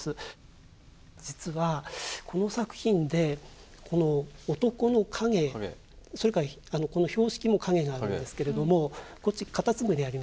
実はこの作品でこの男の影それからこの標識も影があるんですけれどもこっちカタツムリありますよね。